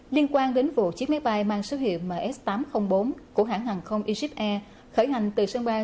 liên quan đến vụ chiếc máy bay mang số hiệu ms tám trăm linh bốn của hãng hàng không es khởi hành từ sân bay